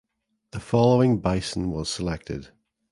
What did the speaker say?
The following Bison was selected.